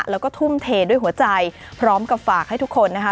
แล้วก็ทุ่มเทด้วยหัวใจพร้อมกับฝากให้ทุกคนนะคะ